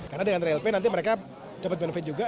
karena dengan rlp nanti mereka dapat benefit juga